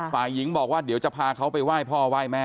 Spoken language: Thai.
ฝ่ายหญิงบอกว่าเดี๋ยวจะพาเขาไปไหว้พ่อไหว้แม่